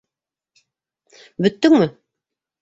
- Бөттөңмө?